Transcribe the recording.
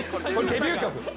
デビュー曲。